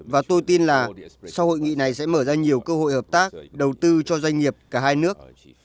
và tôi tin là sau hội nghị này sẽ mở ra nhiều cơ hội hợp tác đầu tư cho doanh nghiệp cả hai nước